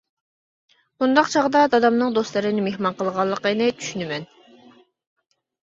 بۇنداق چاغدا، دادامنىڭ دوستلىرىنى مېھمان قىلغانلىقىنى چۈشىنىمەن.